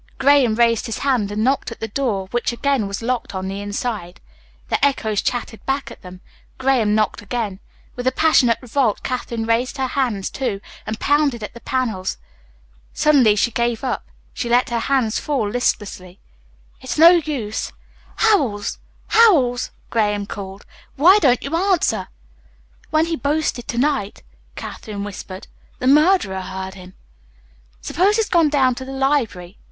Graham raised his hand and knocked at the door which again was locked on the inside. The echoes chattered back at them. Graham knocked again. With a passionate revolt Katherine raised her hands, too, and pounded at the panels. Suddenly she gave up. She let her hands fall listlessly. "It's no use." "Howells! Howells!" Graham called. "Why don't you answer?" "When he boasted to night," Katherine whispered, "the murderer heard him." "Suppose he's gone down to the library?"